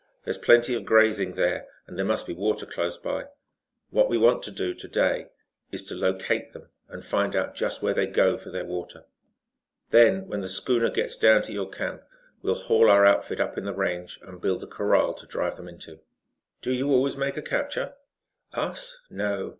There's plenty of grazing there and there must be water close by. What we want to do, to day, is to locate them and find out just where they go for their water. Then, when the schooner gets down to your camp, we'll haul our outfit up in the range and build a corral to drive them into." "Do you always make a capture?" "Us? No.